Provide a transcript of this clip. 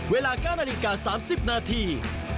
เวลาก้านอนิกา๓๐นาที